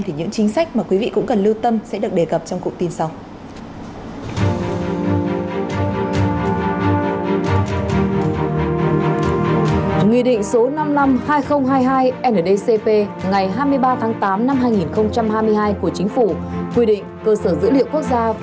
thì những chính sách mà quý vị cũng cần lưu tâm sẽ được đề cập trong cụ tin sau